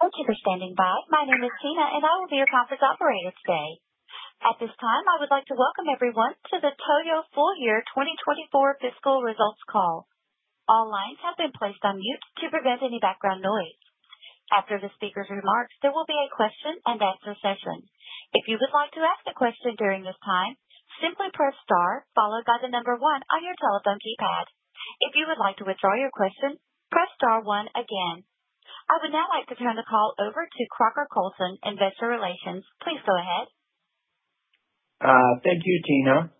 Thank you for standing by. My name is Tina, and I will be your conference operator today. At this time, I would like to welcome everyone to the Toyo full-year 2024 fiscal results call. All lines have been placed on mute to prevent any background noise. After the speaker's remarks, there will be a question-and-answer session. If you would like to ask a question during this time, simply press star followed by the number one on your telephone keypad. If you would like to withdraw your question, press star one again. I would now like to turn the call over to Crocker Coulson, Investor Relations. Please go ahead. Thank you, Tina.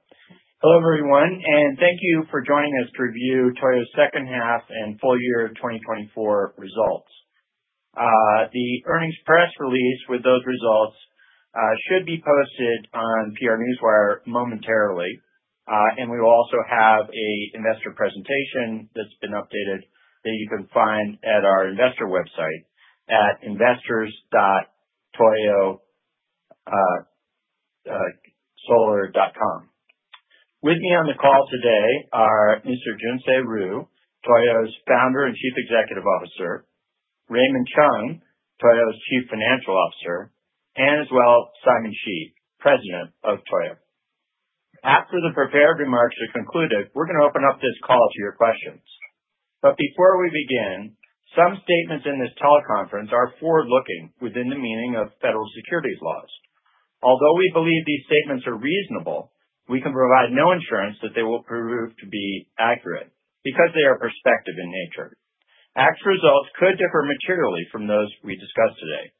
Hello, everyone, and thank you for joining us to review Toyo's second half and full-year 2024 results. The earnings press release with those results should be posted on PR Newswire momentarily, and we will also have an investor presentation that's been updated that you can find at our investor website at investors.toyo-solar.com. With me on the call today are Mr. Junsei Ryu, Toyo's founder and Chief Executive Officer, Raymond Chung, Toyo's Chief Financial Officer, and as well, Simon Shi, President of Toyo. After the prepared remarks are concluded, we're going to open up this call to your questions. But before we begin, some statements in this teleconference are forward-looking within the meaning of federal securities laws. Although we believe these statements are reasonable, we can provide no assurance that they will prove to be accurate because they are prospective in nature. Actual results could differ materially from those we discuss today.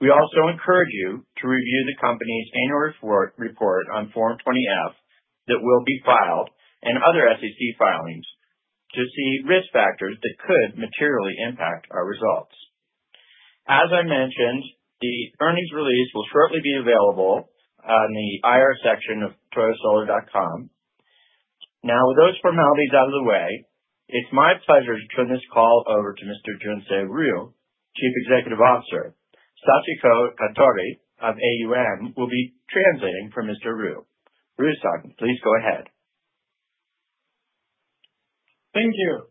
We also encourage you to review the company's annual report on Form 20-F that will be filed and other SEC filings to see risk factors that could materially impact our results. As I mentioned, the earnings release will shortly be available on the IR section of toyosolar.com. Now, with those formalities out of the way, it's my pleasure to turn this call over to Mr. Junsei Ryu, Chief Executive Officer. Sachiko Katori of AUM will be translating for Mr. Ryu. Ryu-san, please go ahead. Thank you.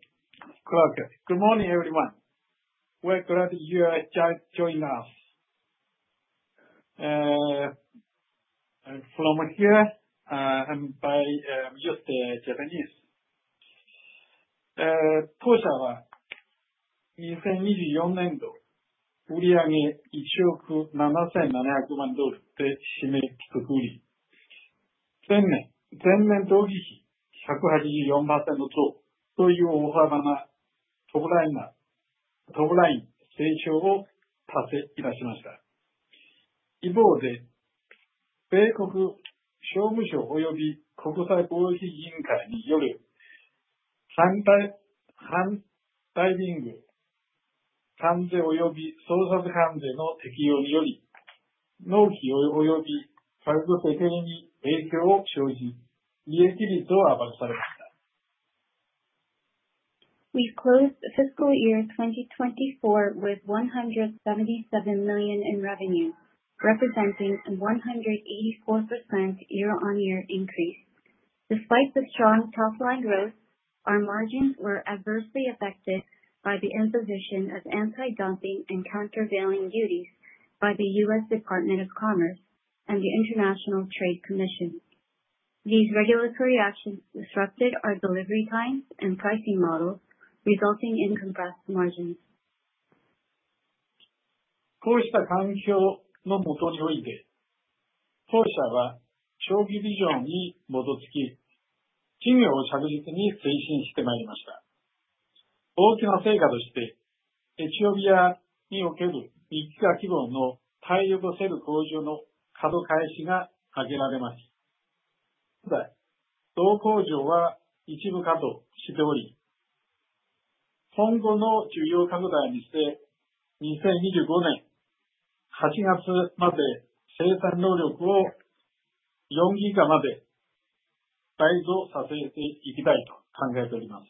Good morning, everyone. We're glad you joined us. I'm from here. I'm just Japanese. We closed the fiscal year 2024 with $177 million in revenue, representing 184% year-on-year increase. Despite the strong top-line growth, our margins were adversely affected by the imposition of anti-dumping and countervailing duties by the U.S. Department of Commerce and the U.S. International Trade Commission. These regulatory actions disrupted our delivery times and pricing models, resulting in compressed margins. こうした環境の下において、当社は長期ビジョンに基づき、事業を着実に推進してまいりました。大きな成果として、エチオピアにおける肉価規模の体力セル向上の稼働開始が挙げられます。同工場は一部稼働しており、今後の需要拡大にして2025年8月まで生産能力を4ギガまで倍増させていきたいと考えております。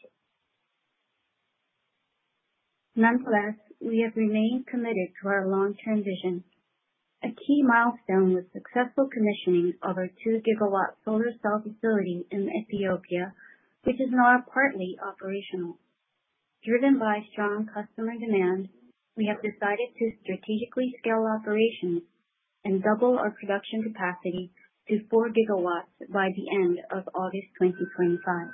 Nonetheless, we have remained committed to our long-term vision. A key milestone was successful commissioning of our 2-GW solar cell facility in Ethiopia, which is now partly operational. Driven by strong customer demand, we have decided to strategically scale operations and double our production capacity to 4 GW by the end of August 2025.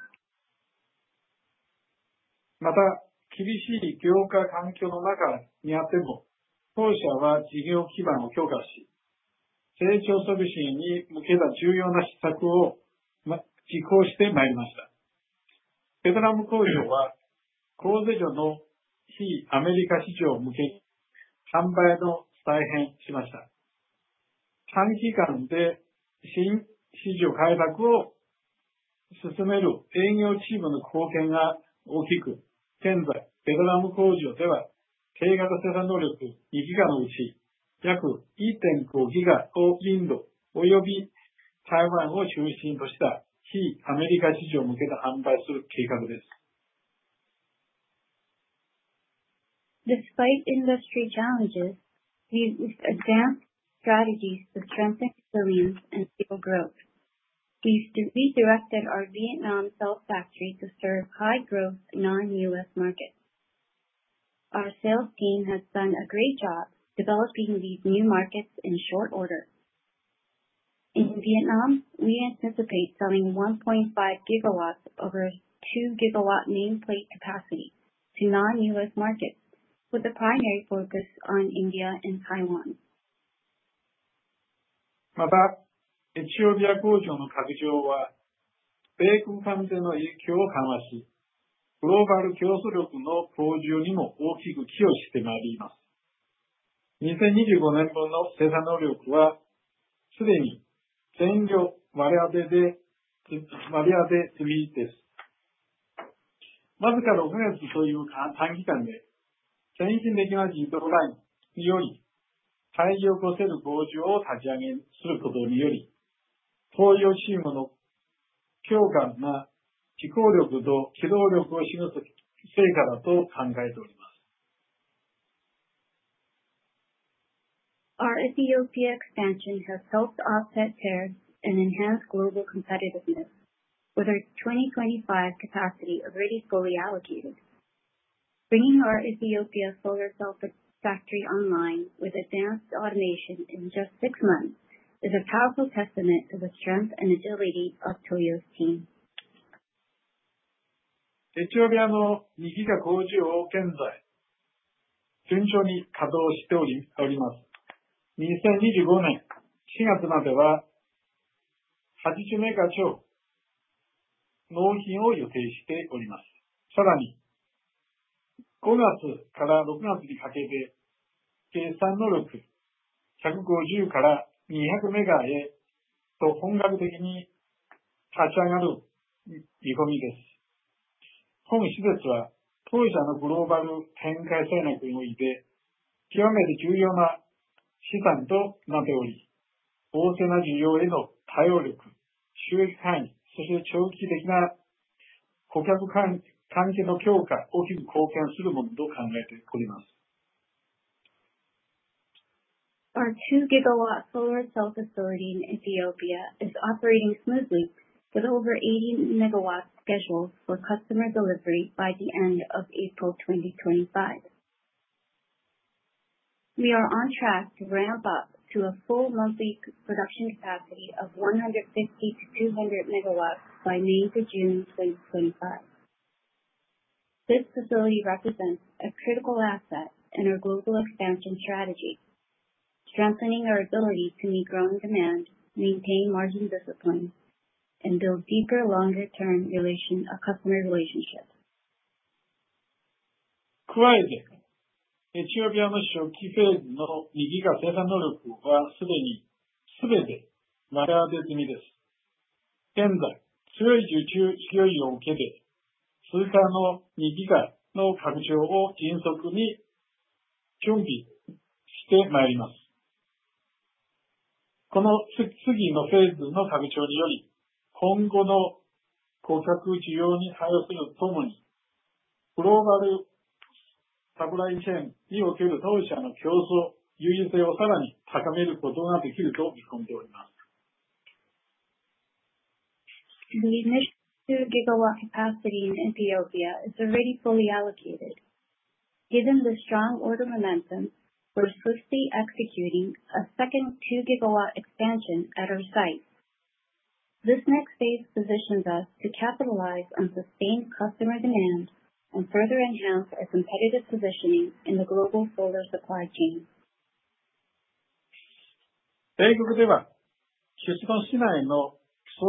Despite industry challenges, we've advanced strategies to strengthen sales and scale growth. We've redirected our Vietnam cell factory to serve high-growth non-U.S. markets. Our sales team has done a great job developing these new markets in short order. In Vietnam, we anticipate selling 1.5 GW of our 2-GW nameplate capacity to non-U.S. markets, with a primary focus on India and Taiwan. また、エチオピア工場の拡張は米国関税の影響を緩和し、グローバル競争力の向上にも大きく寄与してまいります。2025年度の生産能力は既に全量割り当て済みです。わずか6月という短期間で、先進的な自動ラインにより太陽光セル工場を立ち上げることにより、Toyoチームの強固な思考力と機動力を示す成果だと考えております。Our Ethiopia expansion has helped offset tariffs and enhanced global competitiveness, with our 2025 capacity already fully allocated. Bringing our Ethiopia solar cell factory online with advanced automation in just six months is a powerful testament to the strength and agility of Toyo's team. Our 2-GW solar cell facility in Ethiopia is operating smoothly with over 80 MW scheduled for customer delivery by the end of April 2025. We are on track to ramp up to a full monthly production capacity of 150-200 MW by May to June 2025. This facility represents a critical asset in our global expansion strategy, strengthening our ability to meet growing demand, maintain margin discipline, and build deeper, longer-term customer relationships. 加えて、エチオピアの初期フェーズの2ギガ生産能力は既に全て割り当て済みです。現在、強い受注勢いを受けて、通貨の2ギガの拡張を迅速に準備してまいります。この次のフェーズの拡張により、今後の顧客需要に対応するとともに、グローバルサプライチェーンにおける当社の競争優位性をさらに高めることができると見込んでおります。The initial 2-GW capacity in Ethiopia is already fully allocated. Given the strong order momentum, we're swiftly executing a second 2-GW expansion at our site. This next phase positions us to capitalize on sustained customer demand and further enhance our competitive positioning in the global solar supply chain. 米国では出荷しないのソーラーモジュール工場が順調に進み、強い需要を背景に、2025年後半から初年度の計画の部分を出荷開始始まる予定です。米国の堅調な市場で多様化されたサプライチェーンは当社の競争優位を支えています。今後も米国市場への長期的なコミットメントを一層強化すべく、製造体制の拡充を加速してまいります。In the U.S.,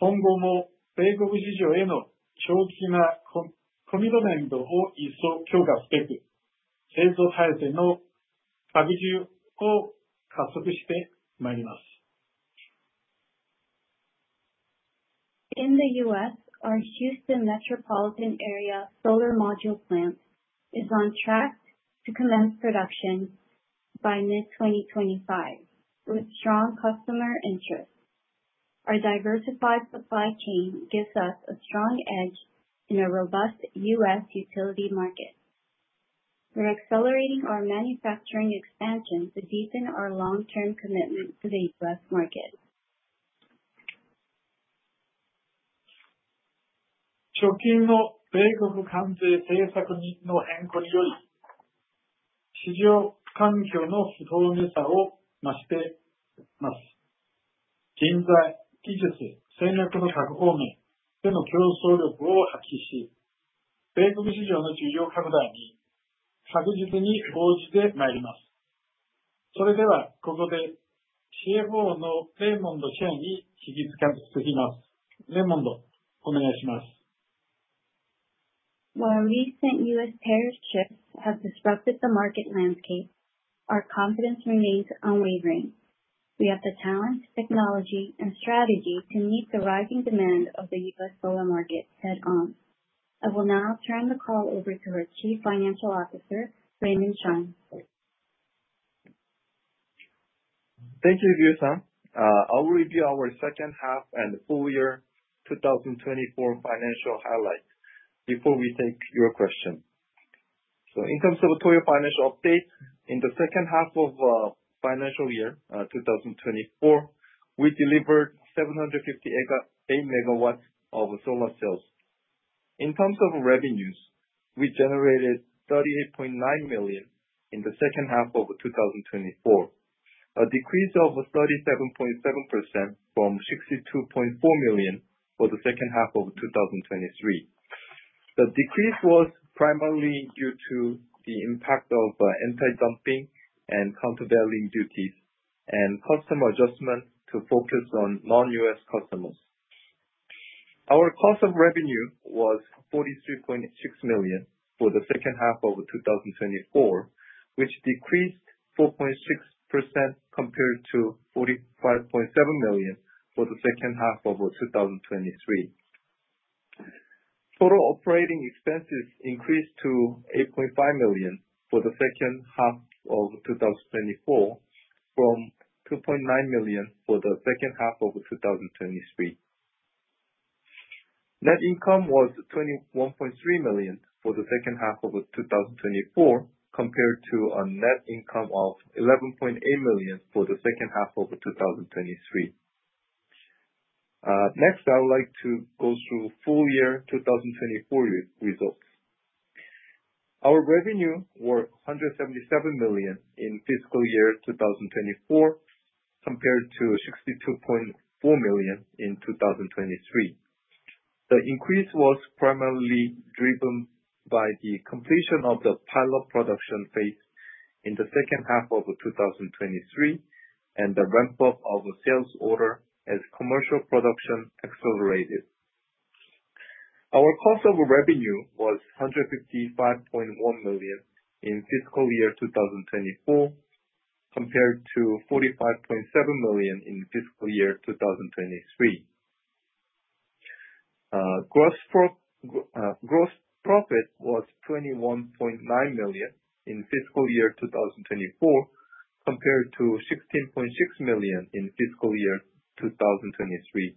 our Houston metropolitan area solar module plant is on track to commence production by mid-2025, with strong customer interest. Our diversified supply chain gives us a strong edge in a robust U.S. utility market. We're accelerating our manufacturing expansion to deepen our long-term commitment to the U.S. market. 直近の米国関税政策の変更により、市場環境の不透明さを増しています。人材、技術、戦略の各方面での競争力を発揮し、米国市場の需要拡大に確実に応じてまいります。それでは、ここでCFOのレイモンド・シェンに引き継ぎます。レイモンド、お願いします。While recent U.S. tariff shifts have disrupted the market landscape, our confidence remains unwavering. We have the talent, technology, and strategy to meet the rising demand of the U.S. solar market head-on. I will now turn the call over to our Chief Financial Officer, Raymond Chung. Thank you, Ryu-san. I'll review our second half and the full year 2024 financial highlights before we take your question. So, in terms of a Toyo financial update, in the H2 of financial year 2024, we delivered 758 MW of solar cells. In terms of revenues, we generated $38.9 million in the H2 of 2024, a decrease of 37.7% from $62.4 million for the H2 of 2023. The decrease was primarily due to the impact of anti-dumping and countervailing duties and customer adjustment to focus on non-U.S. customers. Our cost of revenue was $43.6 million for the H2 of 2024, which decreased 4.6% compared to $45.7 million for the H2 of 2023. Total operating expenses increased to $8.5 million for the H2 of 2024 from $2.9 million for the H2 of 2023. Net income was $21.3 million for the H2 of 2024 compared to a net income of $11.8 million for the H2 of 2023. Next, I would like to go through full year 2024 results. Our revenue was $177 million in fiscal year 2024 compared to $62.4 million in 2023. The increase was primarily driven by the completion of the pilot production phase in the second half of 2023 and the ramp-up of sales order as commercial production accelerated. Our cost of revenue was $155.1 million in fiscal year 2024 compared to $45.7 million in fiscal year 2023. Gross profit was $21.9 million in fiscal year 2024 compared to $16.6 million in fiscal year 2023.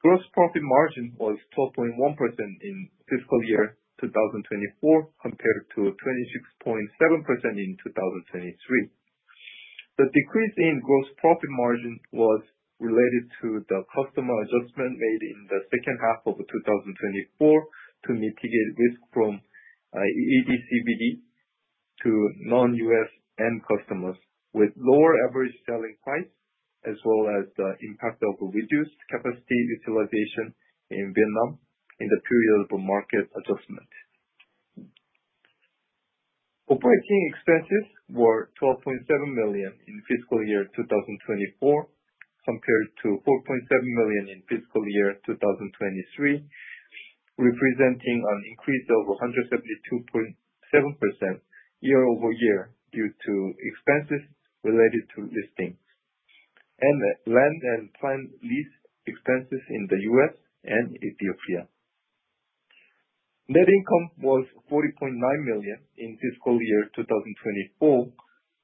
Gross profit margin was 12.1% in fiscal year 2024 compared to 26.7% in 2023. The decrease in gross profit margin was related to the customer adjustment made in the H2 of 2024 to mitigate risk from AD/CVD to non-U.S. end customers, with lower average selling price as well as the impact of reduced capacity utilization in Vietnam in the period of market adjustment. Operating expenses were $12.7 million in fiscal year 2024 compared to $4.7 million in fiscal year 2023, representing an increase of 172.7% year-over-year due to expenses related to listing and land and plant lease expenses in the U.S. and Ethiopia. Net income was $40.9 million in fiscal year 2024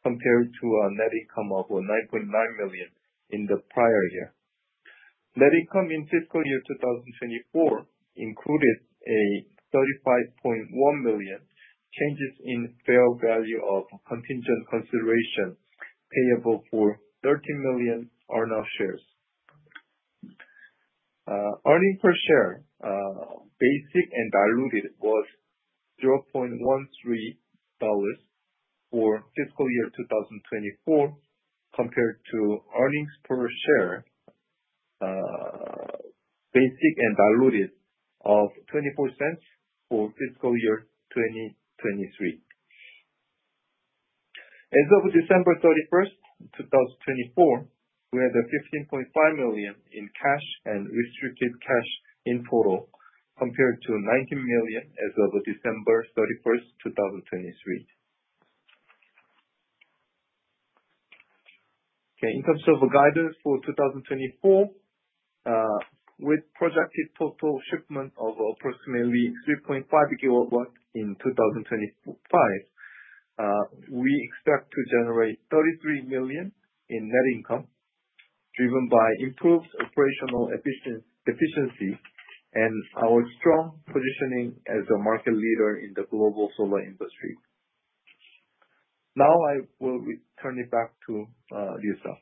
compared to a net income of $9.9 million in the prior year. Net income in fiscal year 2024 included a $35.1 million changes in fair value of contingent consideration payable for 13 million Earn-out shares. Earnings per share, basic and diluted, was $0.13 for fiscal year 2024 compared to earnings per share, basic and diluted, of 20% for fiscal year 2023. As of December 31st, 2024, we had $15.5 million in cash and restricted cash in total compared to $19 million as of December 31st, 2023. Okay, in terms of guidance for 2024, with projected total shipment of approximately 3.5 GW in 2025, we expect to generate $33 million in net income driven by improved operational efficiency and our strong positioning as a market leader in the global solar industry. Now, I will turn it back to Ryu-san.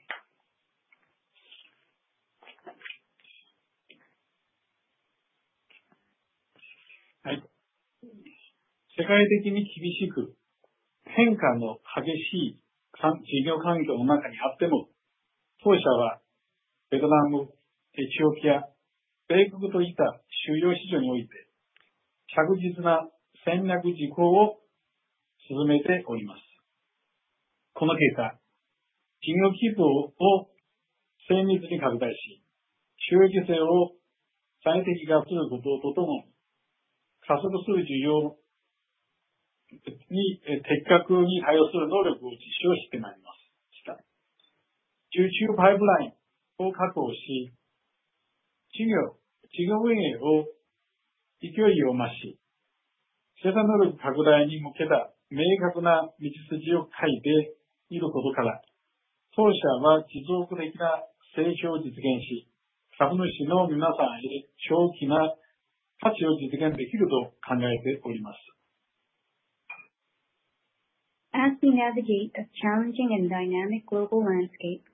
As we navigate a challenging and dynamic global landscape,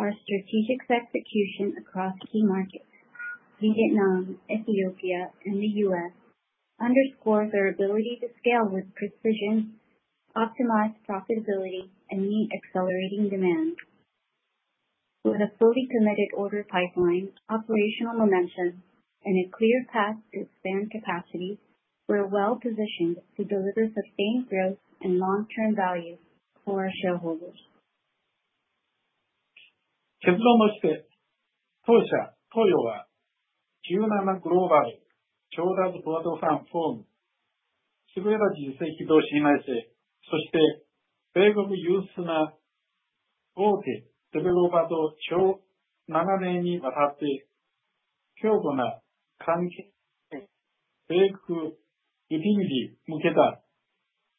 our strategic execution across key markets, Vietnam, Ethiopia, and the U.S., underscores our ability to scale with precision, optimize profitability, and meet accelerating demand. With a fully committed order pipeline, operational momentum, and a clear path to expand capacity, we're well positioned to deliver sustained growth and long-term value for our shareholders. 結論として、当社Toyoは Q7 Global Product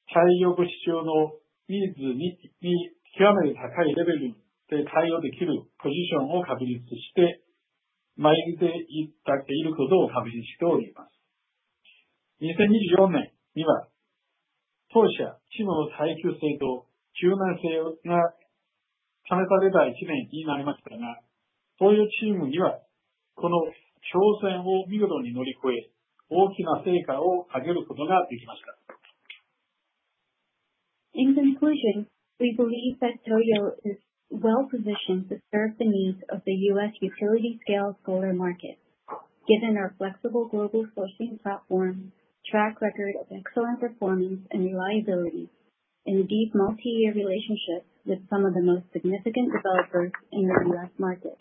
Platform、優れた実績と信頼性、そして米国有数の大手デベロッパーと長年わたって強固な関係性、米国UTV向け対応市場のニーズに極めて高いレベルで対応できるポジションを確立してまいっていることを確認しております。2024年には当社チームの耐久性と柔軟性が試された1年になりましたが、Toyoチームはこの挑戦を見事に乗り越え、大きな成果を上げることができました。In conclusion, we believe that Toyo is well positioned to serve the needs of the U.S. utility-scale solar market, given our flexible global sourcing platform, track record of excellent performance and reliability, and deep multi-year relationships with some of the most significant developers in the U.S. market.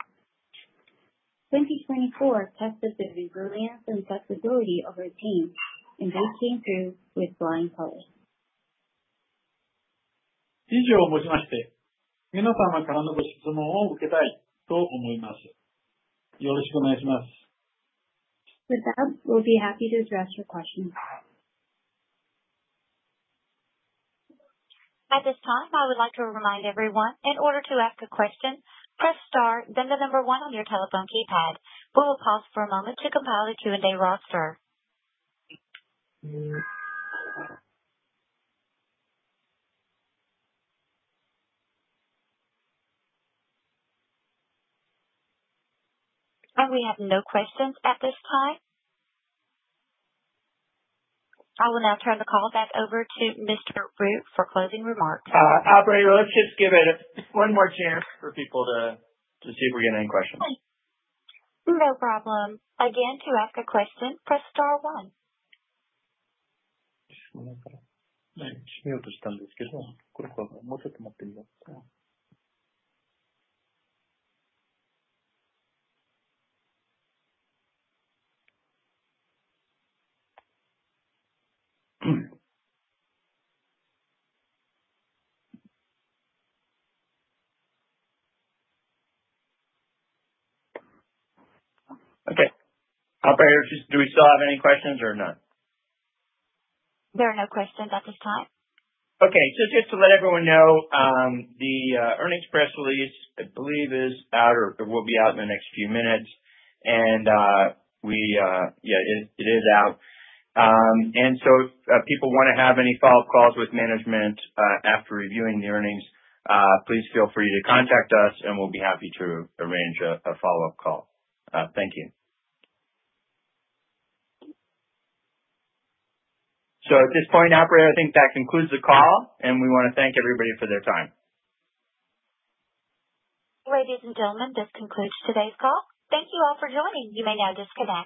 2024 tested the resilience and flexibility of our team, and they came through with flying colors. 以上をもちまして、皆様からのご質問を受けたいと思います。よろしくお願いします。With that, we'll be happy to address your questions. At this time, I would like to remind everyone, in order to ask a question, press star, then the number one on your telephone keypad. We will pause for a moment to compile the Q&A roster. And we have no questions at this time. I will now turn the call back over to Mr. Ryu for closing remarks. Operator, let's just give it one more chance for people to see if we're getting any questions. No problem. Again, to ask a question, press star one. 一緒に落としたんですけど、これかな、もうちょっと待ってみようかな。Okay. Operator, do we still have any questions or none? There are no questions at this time. Okay. So just to let everyone know, the earnings press release, I believe, is out or will be out in the next few minutes. And yeah, it is out. And so if people want to have any follow-up calls with management after reviewing the earnings, please feel free to contact us, and we'll be happy to arrange a follow-up call. Thank you. So at this point, Operator, I think that concludes the call, and we want to thank everybody for their time. Ladies and gentlemen, this concludes today's call. Thank you all for joining. You may now disconnect.